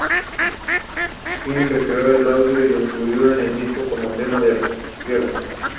Hideki va por Junji, por si quería unírseles.